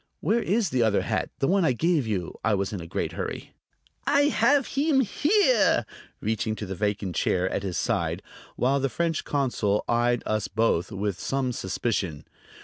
"Where is the other hat: the one I gave you?" I was in a great hurry. "I have heem here," reaching to the vacant chair at his side, while the French consul eyed us both with some suspicion.